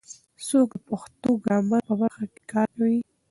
څوک د پښتو ګرامر په برخه کې کار کوي؟